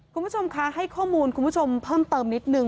คุณผู้ชมคะให้ข้อมูลคุณผู้ชมเพิ่มเติมนิดนึง